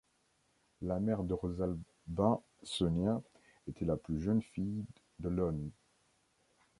La mère de Rosalbin Sonia était la plus jeune fille de L'hon.